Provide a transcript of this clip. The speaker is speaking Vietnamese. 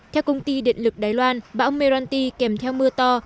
theo công ty điện lực đài loan bão meralti kèm theo mưa to